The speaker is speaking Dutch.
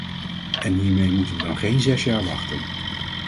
En hiermee moeten we dan geen zes jaar wachten.